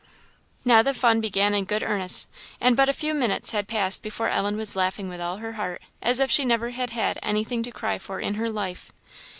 Now the fun began in good earnest, and but few minutes had passed before Ellen was laughing with all her heart, as if she never had had anything to cry for in her life.